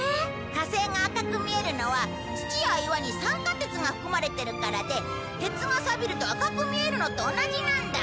火星が赤く見えるのは土や岩に酸化鉄が含まれてるからで鉄がさびると赤く見えるのと同じなんだ。